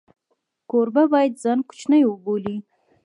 کوربه باید ځان کوچنی وبولي.